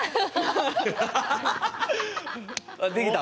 できた？